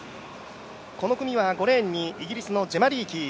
この組は５レーンにイギリスのジェマ・リーキー。